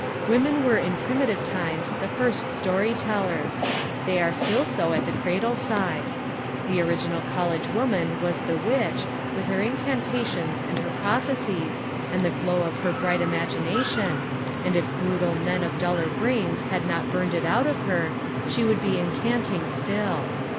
Women were in primitive times the first story tellers. They are still so at the cradle side. The original college woman was the witch, with her incantations and her prophecies and the glow of her bright imagination, and if brutal men of duller brains had not burned it out of her, she would be incanting still.